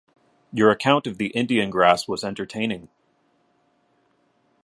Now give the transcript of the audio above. Your account of the Indian grass was entertaining